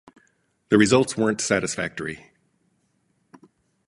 The results weren't satisfactory.